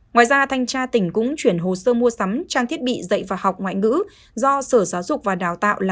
ngoài ra thanh tra tỉnh cũng chuyển hồ sơ mua sắm trang thiết bị dạy và học ngoại ngữ do sở giáo dục và đào tạo